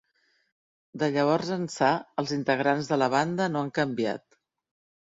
De llavors ençà els integrants de la banda no han canviat.